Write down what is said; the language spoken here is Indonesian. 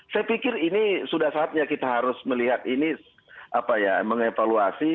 saya pikir ini sudah saatnya kita harus melihat ini apa ya mengevaluasi